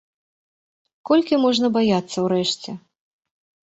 Колькі можна баяцца ўрэшце?